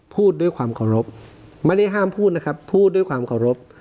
พูดด้วยความเคารพไม่ได้ห้ามพูดนะครับพูดด้วยความเคารพ